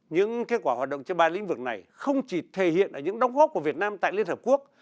những kết quả hoạt động trên ba lĩnh vực này không chỉ thể hiện ở những đóng góp của việt nam tại liên hợp quốc